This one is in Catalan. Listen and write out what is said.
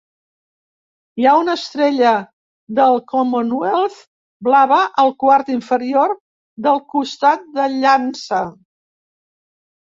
Hi ha una estrella del Commonwealth blava al quart inferior del costat de llança.